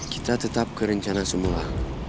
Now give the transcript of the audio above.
kita tetap kerencana semula